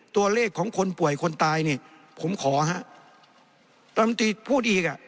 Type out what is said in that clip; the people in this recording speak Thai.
ตัวเลขของคนป่วยคนตายเนี่ยผมขอฮะลำตีพูดอีกอ่ะ